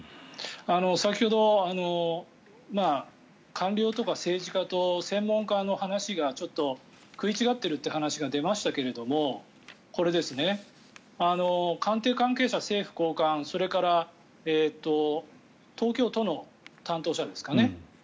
先ほど官僚とか政治家と専門家の話がちょっと食い違っているという話が出ましたけども官邸関係者、政府高官それから東京都の担当者ですかね